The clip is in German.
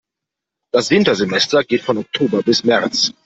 Das Wintersemester geht von Oktober bis März.